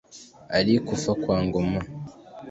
‘Alikufa kwa Ngoma’